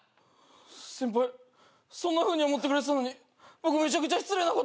先輩そんなふうに思ってくれてたのに僕めちゃくちゃ失礼なこと。